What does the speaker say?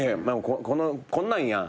こんなんやん。